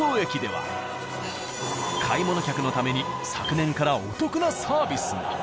買い物客のために昨年からお得なサービスが。